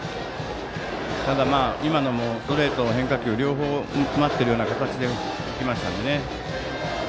今のもストレートの変化球両方待っているような形でいきましたよね。